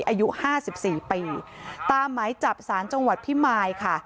อายุ๕๔ปีตามหมายจับสารจังหวัดพี่มายค่ะ